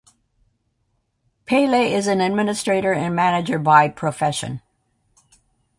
Pele is an administrator and manager by profession.